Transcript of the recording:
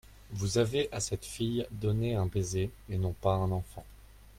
Vous avez, à cette fille, donné un baiser et non pas un enfant.